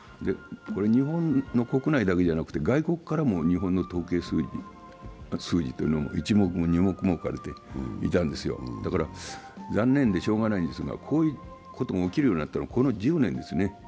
日本の国内だけじゃなくて外国からも日本の統計数字というのは一目も二目もおかれていたので、残念でしようがないんですが、こういうことが起きるようになったのはこの１０年ですね。